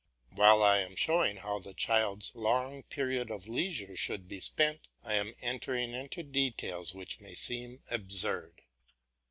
While I am showing how the child's long period of leisure should be spent, I am entering into details which may seem absurd.